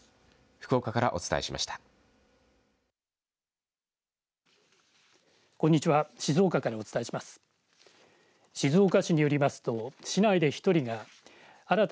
福岡からお伝えしました。